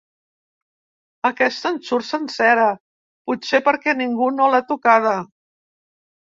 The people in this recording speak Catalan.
Aquesta en surt sencera, potser perquè ningú no l'ha tocada.